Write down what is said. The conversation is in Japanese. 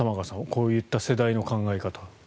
こういった世代の考え方。